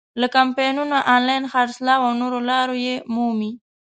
له کمپاینونو، آنلاین خرڅلاو او نورو لارو یې مومي.